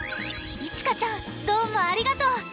いちかちゃんどうもありがとう。